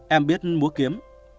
em biết mua kiếm